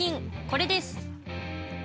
これです。